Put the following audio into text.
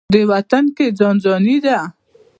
دې وطن کې ځان ځاني ده.